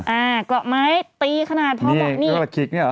อ่ากรอบไม้ตีขนาดพอบอกนี่นี่ประหลักขิกนี่หรอ